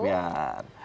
pegang satu persatu